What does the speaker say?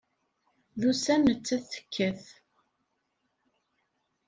D ussan nettat tekkat.